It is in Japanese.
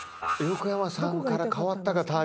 横山さんから変わったか？